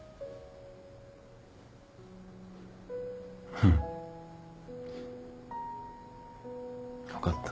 うん分かった。